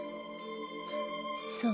そう。